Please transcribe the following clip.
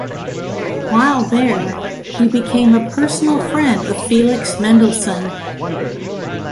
While there, he became a personal friend of Felix Mendelssohn.